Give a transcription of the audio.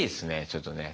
ちょっとね。